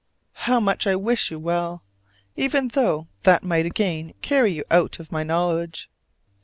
How much I wish you well, even though that might again carry you out of my knowledge!